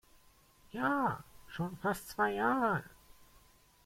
Ja, schon fast zwei Jahre.